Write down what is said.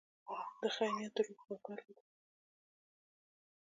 د خیر نیت د روح خوږوالی دی.